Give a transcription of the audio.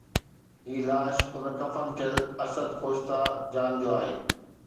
هي لاش اڻ کفن ٿيل اسد خوشتا جان جو آهي